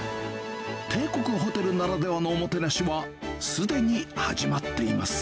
帝国ホテルならではのおもてなしは、すでに始まっています。